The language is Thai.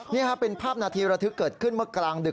นี่ครับเป็นภาพนาทีระทึกเกิดขึ้นเมื่อกลางดึก